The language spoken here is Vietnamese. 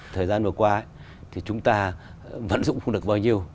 thời gian vừa qua thì chúng ta vận dụng không được bao nhiêu